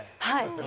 はい。